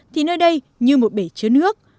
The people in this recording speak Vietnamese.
thì nơi đây như một bể chứa nước